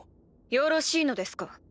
よろしいのですか？